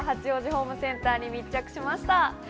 ホームセンターに密着しました。